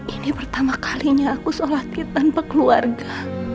ini pertama kalinya aku sholat tanpa keluarga